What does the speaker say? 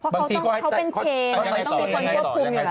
เพราะเขาเป็นเชฟมันต้องมีคนควบคุมอยู่แล้ว